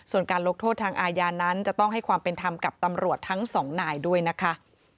ส่วนการลงโทษทางอาญานั้นจะต้องให้ความเป็นธรรมกับตำรวจทั้งสองนายด้วยนะคะ